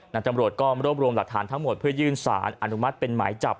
ตำรวจก็รวบรวมหลักฐานทั้งหมดเพื่อยื่นสารอนุมัติเป็นหมายจับ